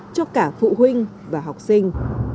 cho cả phụ huynh và học sinh